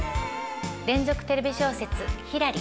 連続テレビ小説「ひらり」